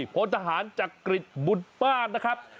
พลทหารจักริจบุตรบ้านนะครับ